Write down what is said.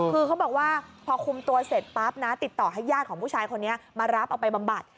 คือเขาบอกว่าพอคุมตัวเสร็จปั๊บนะติดต่อให้ญาติของผู้ชายคนนี้มารับเอาไปบำบัด